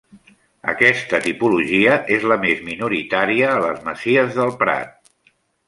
Aquesta tipologia és la més minoritària a les masies del Prat.